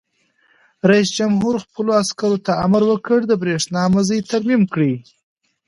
رئیس جمهور خپلو عسکرو ته امر وکړ؛ د برېښنا مزي ترمیم کړئ!